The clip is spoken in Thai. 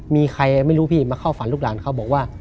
มีใครไม่รู้พี่มาเข้าฝันลูกหลานเขาบอกว่า